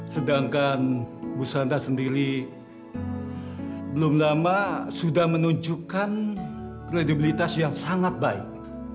sedangkan bu sanda sendiri belum lama sudah menunjukkan kredibilitas yang sangat baik